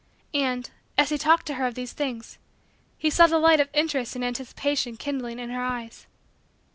And, as he talked to her of these things, he saw the light of interest and anticipation kindling in her eyes.